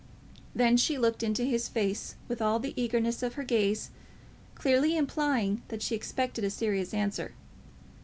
Then she looked into his face with all the eagerness of her gaze, clearly implying that she expected a serious answer.